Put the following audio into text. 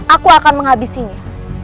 aku akan menghabisinya